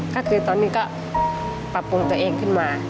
ก็คือตอนนี้ก็ปรับปรุงตัวเองขึ้นมา